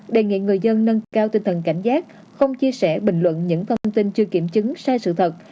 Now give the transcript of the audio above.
đề nghị người dân nâng cao tinh thần cảnh giác không chia sẻ bình luận những thông tin chưa kiểm chứng sai sự thật